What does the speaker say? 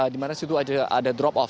dimana disitu ada drop off